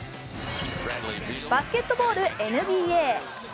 バスケットボールＮＢＡ。